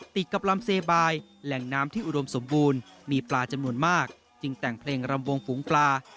ติดกับลำเซบายแหล่งน้ำที่อุดมสมบูรณ์มีปลาจำนวนมากจึงแต่งเพลงรำวงฝูงปลา